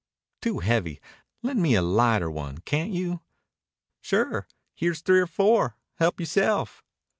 "Too heavy. Lend me a lighter one, can't you?" "Sure. Here's three or four. Help yourself."